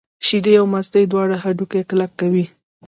شیدې او مستې دواړه هډوکي کلک کوي.